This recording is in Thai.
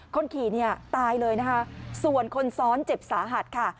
คนขี่เนี่ยตายเลยนะคะส่วนคนซ้อนเจ็บสาหัสค่ะ